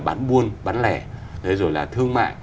bán buôn bán lẻ rồi là thương mại